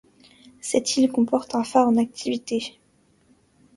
Cette île comporte un phare en activité.